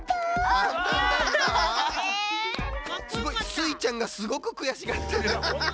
スイちゃんがすごくくやしがってる。